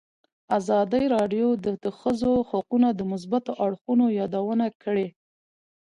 ازادي راډیو د د ښځو حقونه د مثبتو اړخونو یادونه کړې.